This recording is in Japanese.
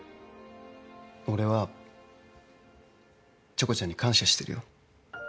俺はチョコちゃんに感謝してるよ。